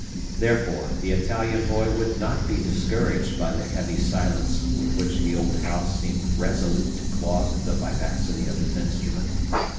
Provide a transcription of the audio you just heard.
Therefore, the Italian boy would not be discouraged by the heavy silence with which the old house seemed resolute to clog the vivacity of his instrument.